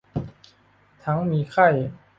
ทั้งมีไข้